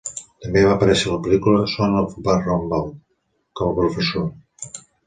També va aparèixer a la pel·lícula "Son of Rambow" com a professor.